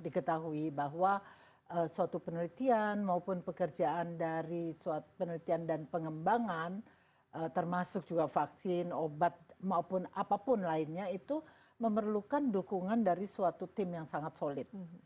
diketahui bahwa suatu penelitian maupun pekerjaan dari suatu penelitian dan pengembangan termasuk juga vaksin obat maupun apapun lainnya itu memerlukan dukungan dari suatu tim yang sangat solid